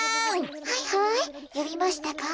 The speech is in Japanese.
はいはいよびましたか？